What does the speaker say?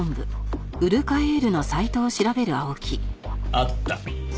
あった。